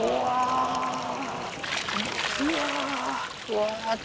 うわ。